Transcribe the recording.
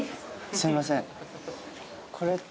すいません。